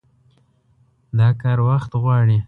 دا کار وخت غواړي.